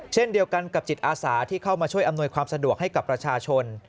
เช่นเดียวกันกับจิตอาสาที่เข้ามาช่วยอำนวยความสะดวกให้กับประชาชน